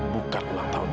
bukan ulang tahun aku